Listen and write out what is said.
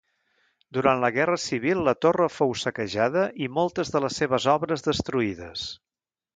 Durant la Guerra Civil la torre fou saquejada i moltes de les seves obres destruïdes.